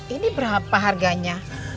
ini berapa harganya